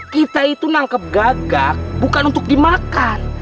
kita itu nangkep gagak bukan untuk dimakan